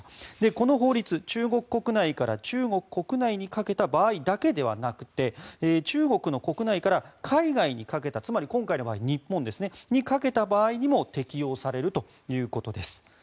この法律中国国内から中国国内にかけた場合だけではなくて中国の国内から海外にかけたつまり今回の場合、日本でも適用されるということです。